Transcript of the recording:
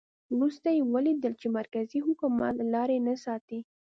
وروسته یې ولیدل چې مرکزي حکومت لاري نه ساتي.